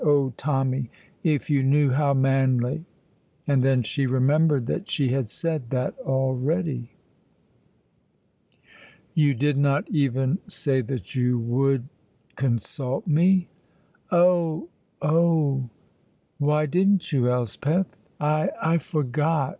"Oh Tommy, if you knew how manly " And then she remembered that she had said that already. "You did not even say that you would consult me?" "Oh, oh!" "Why didn't you, Elspeth?" "I I forgot!"